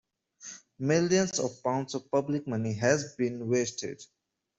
Millions of pounds of public money has been wasted.